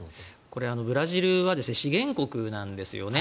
これ、ブラジルは資源国なんですよね。